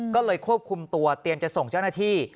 ก็เลยควบคุมตัวเตรียมจะส่งเจ้าหน้าที่